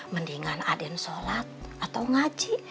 mendingan aden sholat atau ngaji